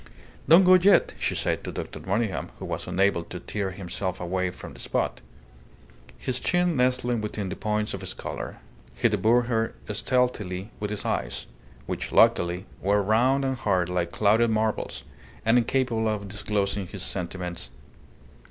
"Don't go yet," she said to Dr. Monygham, who was unable to tear himself away from the spot. His chin nestling within the points of his collar, he devoured her stealthily with his eyes, which, luckily, were round and hard like clouded marbles, and incapable of disclosing his sentiments.